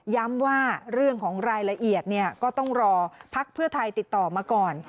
ว่าเรื่องของรายละเอียดเนี่ยก็ต้องรอพักเพื่อไทยติดต่อมาก่อน